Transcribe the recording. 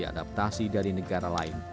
adaptasi dari negara lain